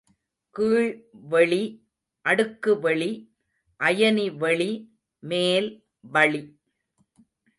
கீழ் வெளி, அடுக்கு வெளி, அயனி வெளி, மேல் வளி.